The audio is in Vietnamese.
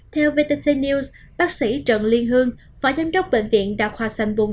theo vtc news bác sĩ trần liên hương phó giám đốc bệnh viện đào khoa xanh vung